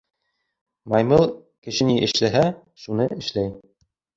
Маймыл, кеше ни эшләһә, шуны эшләй.